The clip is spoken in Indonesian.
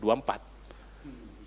yang menang ini